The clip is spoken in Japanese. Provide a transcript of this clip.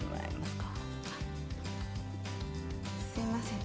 すいません。